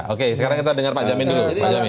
oke sekarang kita dengar pak jamin dulu